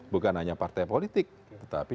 bukan hanya partai politik tetapi